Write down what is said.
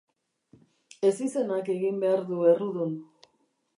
Ezizenak egin behar du errudun.